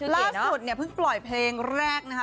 ล่าสุดเนี่ยเพิ่งปล่อยเพลงแรกนะคะ